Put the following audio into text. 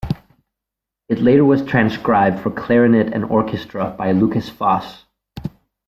It later was transcribed for clarinet and orchestra by Lukas Foss.